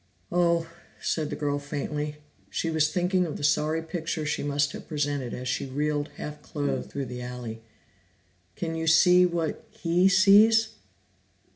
"Oh!" said the girl faintly. She was thinking of the sorry picture she must have presented as she reeled half clothed through the alley. "Can you see what he sees?"